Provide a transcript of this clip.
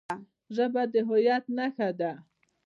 ژبه د هویت نښه ده.